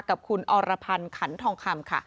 กับคุณอรพันธ์ขันทองคำค่ะ